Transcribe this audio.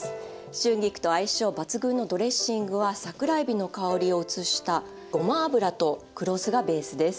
春菊と相性抜群のドレッシングは桜えびの香りを移したごま油と黒酢がベースです。